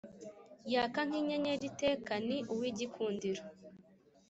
Yaka nkinyenyeri iteka ni uwigikundiro